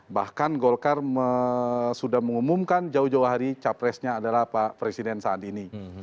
bahkan golkar sudah mengumumkan jauh jauh hari capresnya adalah pak presiden saat ini